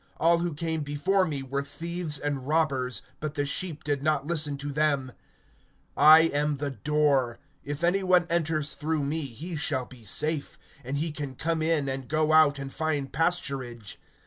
(8)All who came before me are thieves and robbers; but the sheep did not hear them. (9)I am the door. If any one enter in through me, he shall be saved, and shall go in and out and find pasture.